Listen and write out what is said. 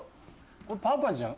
これパパじゃ。